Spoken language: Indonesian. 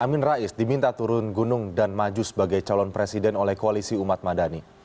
amin rais diminta turun gunung dan maju sebagai calon presiden oleh koalisi umat madani